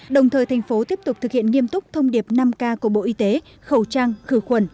đồng thời thành phố tiếp tục thực hiện nghiêm túc thông điệp năm k của bộ y tế khẩu trang khử khuẩn